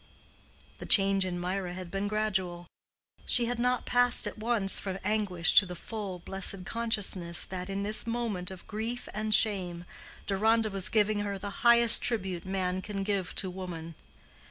The change in Mirah had been gradual. She had not passed at once from anguish to the full, blessed consciousness that, in this moment of grief and shame, Deronda was giving her the highest tribute man can give to woman.